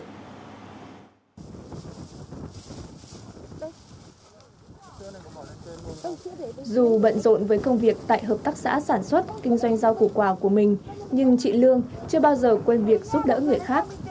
dù bận rộn với công việc tại hợp tác xã sản xuất kinh doanh rau củ quả của mình nhưng chị lương chưa bao giờ quên việc giúp đỡ người khác